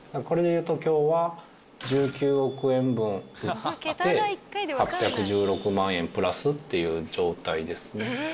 これでいうと、きょうは、１９億円分売って、８１６万円プラスっていう状態ですね。